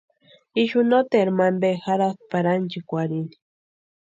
Ixu noteru mampe jarhatʼi pari ánchikwarhini.